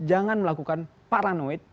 jangan melakukan paranoid